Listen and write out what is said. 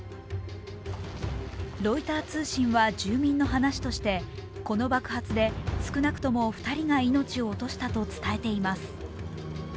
ロイター通信は住民の話として、この爆発で少なくとも２人が命を落としたと伝えています。